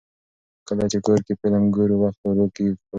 کله چې کور کې فلم ګورو، وخت ورو ښکاري.